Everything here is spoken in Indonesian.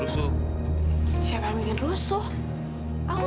liriknya orang tua